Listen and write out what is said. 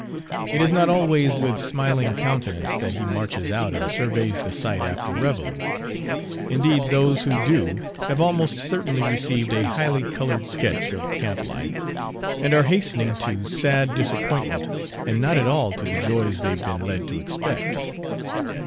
It is not always with smiling countenance that he marches out and surveys the site after reveille. Indeed, those who do have almost certainly received A highly colored sketch of camp life, and are hastening to sad disappointment, and not at all to the joys they've been led to expect.